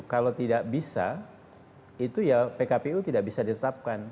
kalau tidak bisa itu ya pkpu tidak bisa ditetapkan